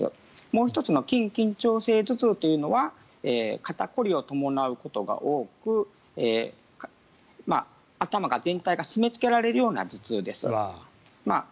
もう１つの筋緊張性頭痛というのは肩凝りを伴うことが多く頭全体が締めつけられるような頭痛です。